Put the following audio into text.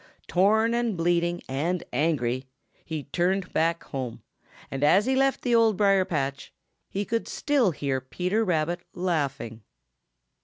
Tom and bleeding and angry, he tinned back home, and as he left the Old Briar patch, he could still hear Peter Rabbit laughing.